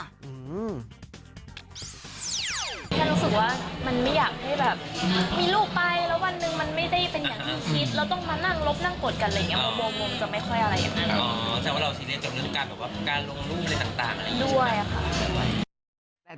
ฉันรู้สึกว่ามันไม่อยากให้แบบ